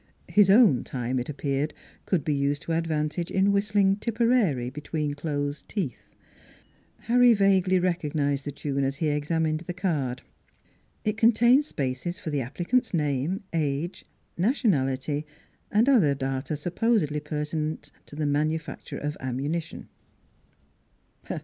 His own time, it appeared, could be used to ad vantage in whistling " Tipperary " between closed teeth. Harry vaguely recognized the tune as he examined the card; it contained spaces for the applicant's name, age, nationality, and other data supposedly pertinent to the manufacture of ammunition.